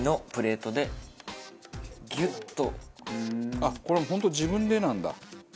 あっこれ本当に自分でなんだ。